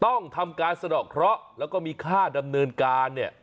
ต้องทำการสะดอกเคราะห์แล้วก็มีค่าดำเนินการเนี่ย